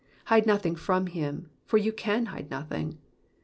Hide nothing from him, for you can hide nothing.